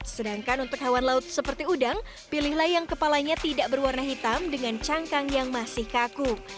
sedangkan untuk hewan laut seperti udang pilihlah yang kepalanya tidak berwarna hitam dengan cangkang yang masih kaku